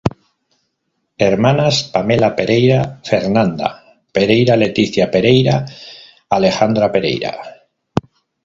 Hermanas Pamela Pereira Fernanda Pereira Leticia Pereira Alejandra pereira